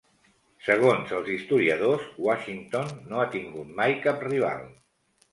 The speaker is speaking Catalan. Segons els historiadors, Washington no ha tingut mai cap rival.